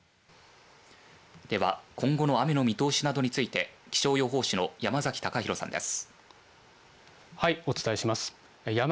では今後の雨の見通しなどについて気象予報士の山崎貴裕さんです。